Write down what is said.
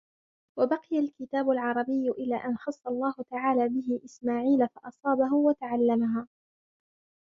وَبَقِيَ الْكِتَابُ الْعَرَبِيُّ إلَى أَنْ خَصَّ اللَّهُ تَعَالَى بِهِ إسْمَاعِيلَ فَأَصَابَهُ وَتَعَلَّمَهَا